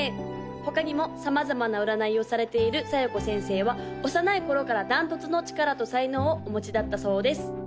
他にも様々な占いをされている小夜子先生は幼い頃から断トツの力と才能をお持ちだったそうです